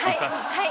はい！